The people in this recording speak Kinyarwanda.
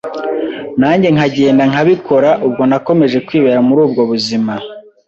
nanjye nkagenda nkabikora, ubwo nakomeje kwibera muri ubwo buzima,